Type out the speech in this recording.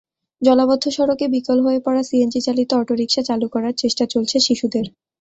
জলাবদ্ধ সড়কে বিকল হয়ে পড়া সিএনজিচালিত অটোরিকশা চালু করার চেষ্টা চলছে শিশুদের।